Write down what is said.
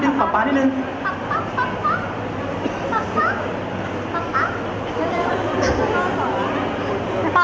ป๊าป๊าป๊าป๊าป๊าป๊า